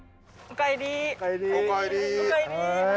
おかえり。